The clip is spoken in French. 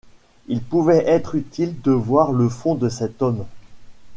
Il pouvait être utile de voir le fond de cet homme.